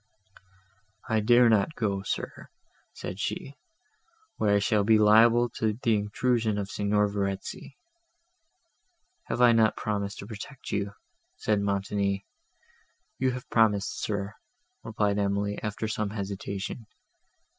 "I dare not go, sir," said she, "where I shall be liable to the intrusion of Signor Verezzi." "Have I not promised to protect you?" said Montoni. "You have promised, sir,"—replied Emily, after some hesitation.